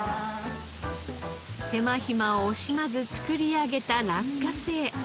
手間暇を惜しまず作り上げた落花生。